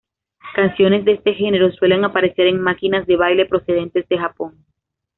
Canciones de este genero suelen aparecer en maquinas de baile procedentes de Japón.